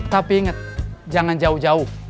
tapi ingat jangan jauh jauh